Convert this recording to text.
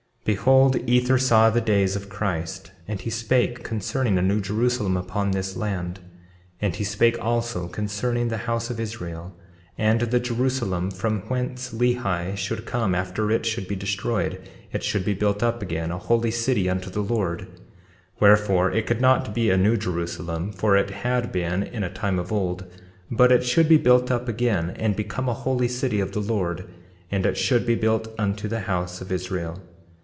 13:4 Behold, Ether saw the days of Christ, and he spake concerning a New Jerusalem upon this land. 13:5 And he spake also concerning the house of Israel, and the Jerusalem from whence Lehi should come—after it should be destroyed it should be built up again, a holy city unto the Lord; wherefore, it could not be a new Jerusalem for it had been in a time of old; but it should be built up again, and become a holy city of the Lord; and it should be built unto the house of Israel.